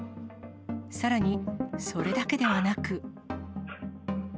さらに、それだけではなく。